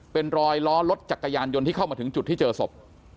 เป็นรอยล้อรถจักรยานยนต์ที่เข้ามาถึงจุดที่เจอศพ